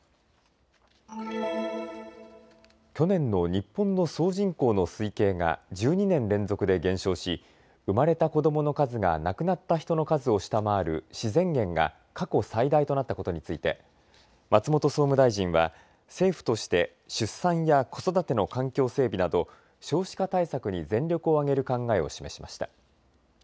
去年の日本の総人口の推計が１２年連続で減少し生まれた子どもの数が亡くなった人の数を下回る自然減が過去最大となったことについて松本総務大臣は政府として出産や子育ての環境整備など少子化対策に全力を挙げる考えを示しました。